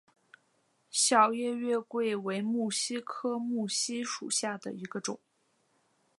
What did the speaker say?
小叶月桂为木犀科木犀属下的一个种。